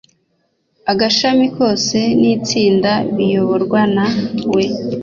agashami kose n‘itsinda biyoborwa na we